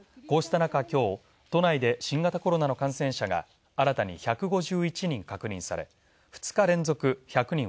こうした中、きょう都内で新型コロナの感染者が新たに１５１人確認されました。